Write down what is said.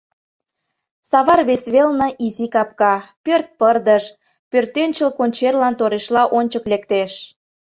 Савар вес велне — изи капка, пӧрт пырдыж, пӧртӧнчыл кончерлан торешла ончык лектеш.